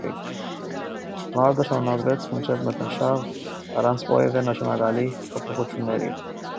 Մարտը շարունակվեց մինչև մթնշաղ՝ առանց որևէ նշանակալի փոփոխությունների։